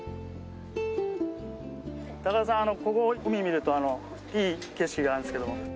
高田さんここ海見るといい景色があるんですけど。